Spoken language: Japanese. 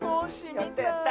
やったやった！